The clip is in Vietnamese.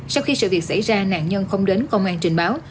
sau khi sự việc xảy ra nạn nhân không đến công an trình báo